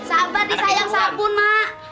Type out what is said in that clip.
sabar disayang sabun mak